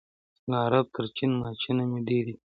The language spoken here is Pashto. له عرب تر چین ماچینه مي دېرې دي